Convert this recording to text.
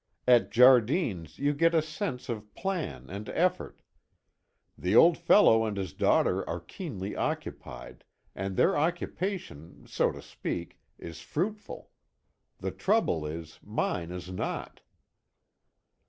At Jardine's you get a sense of plan and effort. The old fellow and his daughter are keenly occupied, and their occupation, so to speak, is fruitful. The trouble is, mine is not."